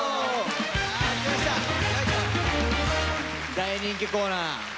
大人気コーナー。